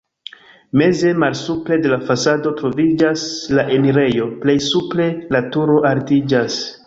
Meze, malsupre de la fasado troviĝas la enirejo, plej supre la turo altiĝas.